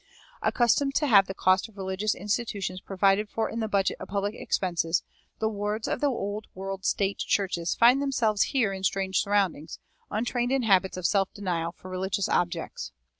Accustomed to have the cost of religious institutions provided for in the budget of public expenses, the wards of the Old World state churches find themselves here in strange surroundings, untrained in habits of self denial for religious objects.